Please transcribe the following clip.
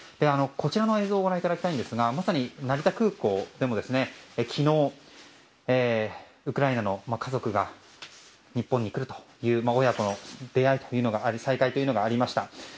こちらの映像をご覧いただきたいんですがまさに成田空港でも昨日、ウクライナの家族が日本に来るという親子の再会というのがありました。